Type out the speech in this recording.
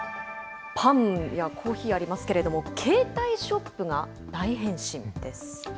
パンやコーヒー、ありますけれども、ケータイショップが大変身？です。